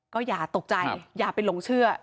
ก็อย่าตกใจอย่าไปหลงเชื่อ